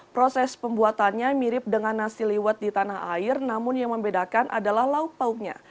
proses pembuatannya mirip dengan nasi liwet di tanah air namun yang membedakan adalah lauk pauknya